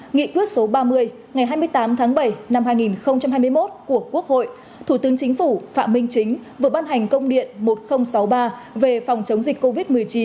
nghị quyết số ba mươi ngày hai mươi tám tháng bảy năm hai nghìn hai mươi một của quốc hội thủ tướng chính phủ phạm minh chính vừa ban hành công điện một nghìn sáu mươi ba về phòng chống dịch covid một mươi chín